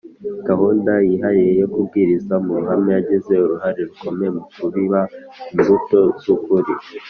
Gahunda yihariye yo kubwiriza mu ruhame yagize uruhare rukomeye mu kubiba imbuto z ukuri